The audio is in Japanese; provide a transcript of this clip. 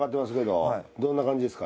どんな感じですか？